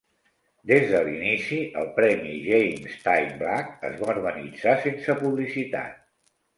Des de l'inici, el premi James Tait Black es va organitzar sense publicitat.